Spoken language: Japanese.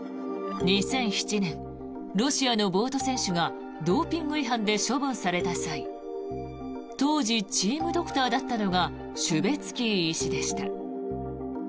２００７年ロシアのボート選手がドーピング違反で処分された際当時チームドクターだったのがシュベツキー医師でした。